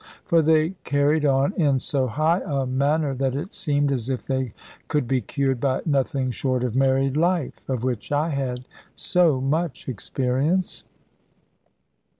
For they carried on in so high a manner, that it seemed as if they could be cured by nothing short of married life, of which I had so much experience.